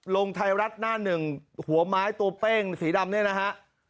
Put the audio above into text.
ลงไทยรัฐหน้าหนึ่งหัวไม้ตัวเป้งสีดำเนี่ยนะฮะ